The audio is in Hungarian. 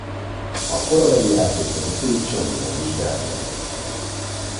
A korabeli játékvezetők semmilyen vizsgát nem tettek.